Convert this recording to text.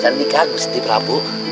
dan ini kagus nih prabu